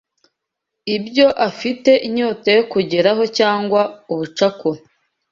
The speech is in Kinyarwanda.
ibyo afite inyota yo kugeraho cyangwa ubucakura